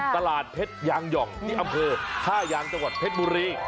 ตลาดเพชรยางหย่องที่อำเภอท่ายางจังหวัดเพชรบุรี